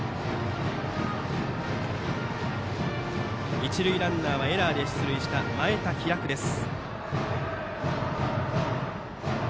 一塁ランナーはエラーで出塁した前田拓来です。